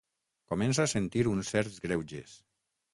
Comença a sentir uns certs greuges.